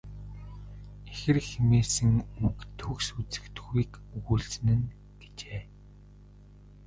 Ихэр хэмээсэн үг төгс үзэгдэхүйг өгүүлсэн нь." гэжээ.